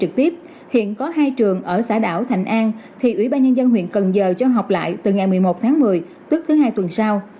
trực tiếp hiện có hai trường ở xã đảo thành an thì ủy ban nhân dân huyện cần giờ cho học lại từ ngày một mươi một tháng một mươi tức thứ hai tuần sau